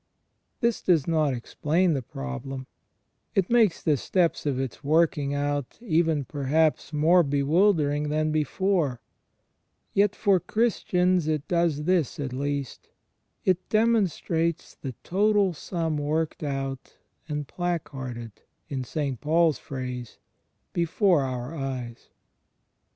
This does not explain the problem ; it makes the steps of its working out even, perhaps, more bewilder ing than before; yet for Christians it does this at least — it demonstrates the total siun worked out and "placarded"^ (in St. Paul's phrase) before our eyes.